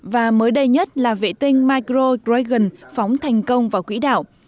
và mới đây nhất là vệ tinh micro dragon phóng thành công vào quỹ đạo